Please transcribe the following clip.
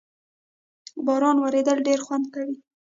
باران ورېدل ډېر خوند کوي